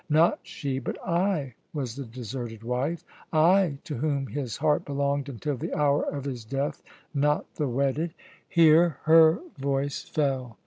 Not she, but I, was the deserted wife I to whom his heart belonged until the hour of his death, not the wedded " Here her voice fell.